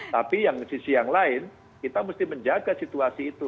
tapi yang sisi yang lain kita mesti menjaga situasi itu